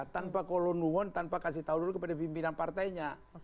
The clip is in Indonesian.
tanpa kolonuon tanpa kasih tahu dulu kepada pimpinan partainya